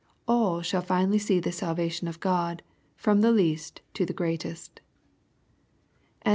All shall finally see the salvation of God from the least to the greatest LUKE III.